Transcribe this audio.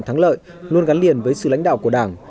thắng lợi luôn gắn liền với sự lãnh đạo của đảng